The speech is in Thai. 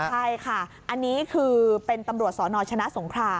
ใช่ค่ะอันนี้คือเป็นตำรวจสนชนะสงคราม